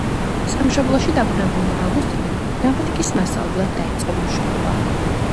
სამშობლოში დაბრუნებულმა ავგუსტინემ გრამატიკის მასწავლებლად დაიწყო მუშაობა.